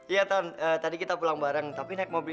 iya tan tadi kita pulang bareng tapi nak aku mau balik